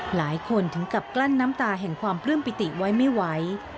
หลายคนถึงกับกลั้นน้ำตาแห่งความปลื้มปิติไว้ไม่ไหว